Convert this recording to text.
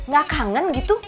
gak kangen gitu